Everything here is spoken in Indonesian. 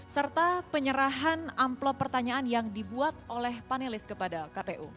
serta penyerahan amplop pertanyaan yang dibuat oleh panelis kepada kpu